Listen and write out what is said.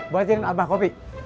buatin abah kopi